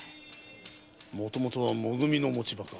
もともとはも組の持ち場か。